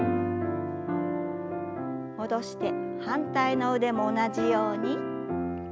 戻して反対の腕も同じように。